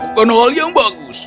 kau melakukan hal yang bagus